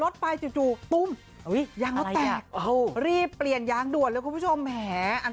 ที่ยิ่งยงยอดมวกงาม